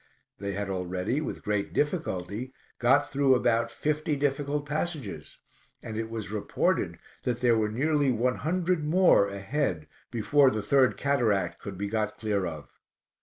They had already, with great difficulty, got through about fifty difficult passages, and it was reported that there were nearly one hundred more ahead before the third cataract could be got clear of.